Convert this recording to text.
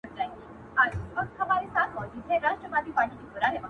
لکه څپو بې لاري کړې بېړۍ -